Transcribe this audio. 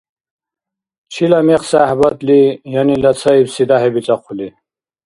Чила мекъ-сяхӏбатли янила цаибси дяхӏи бицӏахъули?